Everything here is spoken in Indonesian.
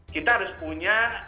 kita harus punya